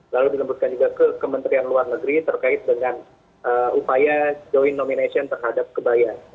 lalu dilembutkan juga ke kementerian luar negeri terkait dengan upaya joint nomination terhadap kebaya